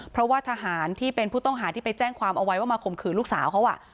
เพราะว่าทหารที่เป็นผู้ต้องหาที่ไปแจ้งความเอาไว้ว่ามาข่มขืนลูกสาวเขา